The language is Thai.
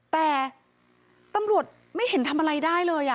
แต่ตำรวจไม่เห็นทำอะไรได้เลย